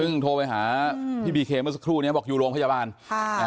ซึ่งโทรไปหาพี่บีเคเมื่อสักครู่นี้บอกอยู่โรงพยาบาลค่ะ